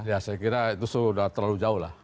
ya saya kira itu sudah terlalu jauh lah